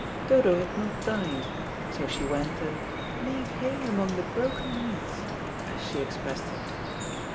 Dodo had not dined, so she went and "made hay among the broken meats," as she expressed it.